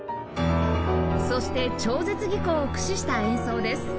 そして超絶技巧を駆使した演奏です